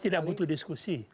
kita tidak butuh diskusi